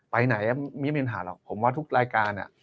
ไปไหนไม่มีปัญหาหรอกผมว่าทุกรายการ